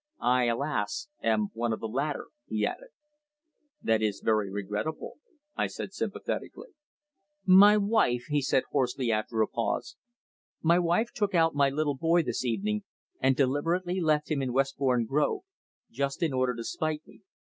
I, alas! am one of the latter," he added. "That is very regrettable," I said sympathetically. "My wife," he said hoarsely after a pause, "my wife took out my little boy this evening and deliberately left him in Westbourne Grove just in order to spite me!